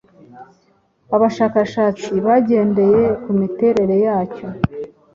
abashakashatsi bagendeye ku miterere yacyo